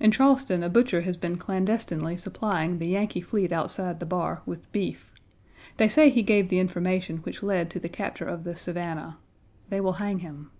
In Charleston a butcher has been clandestinely supplying the Yankee fleet outside the bar with beef. They say he gave the information which led to the capture of the Savannah. They will hang him.